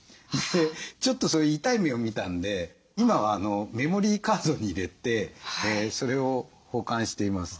ちょっと痛い目を見たんで今はメモリーカードに入れてそれを保管しています。